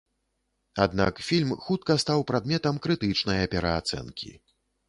Аднак, фільм хутка стаў прадметам крытычнае пераацэнкі.